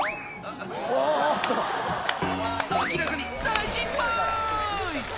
明らかに大失敗。